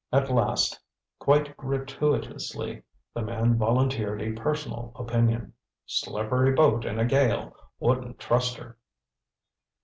At last, quite gratuitously, the man volunteered a personal opinion. "Slippery boat in a gale wouldn't trust her."